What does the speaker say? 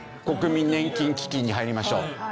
「国民年金基金に入りましょう」。